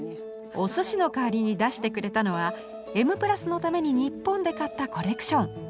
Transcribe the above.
お寿司の代わりに出してくれたのは「Ｍ＋」のために日本で買ったコレクション。